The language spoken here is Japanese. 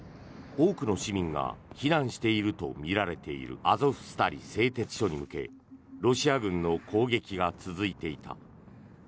多くの市民が避難しているとみられているアゾフスタリ製鉄所に向けロシア軍の攻撃が続いていた。